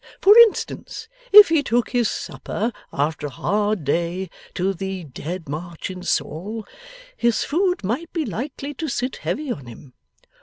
For instance, if he took his supper after a hard day, to the Dead March in Saul, his food might be likely to sit heavy on him.